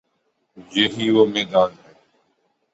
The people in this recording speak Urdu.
یہی وہ میدان ہے۔